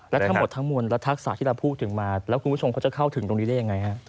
และทั้งหมดทั้งมวลและทักษะที่เราพูดถึงมาแล้วคุณผู้ชมเขาจะเข้าถึงตรงนี้ได้ยังไงฮะ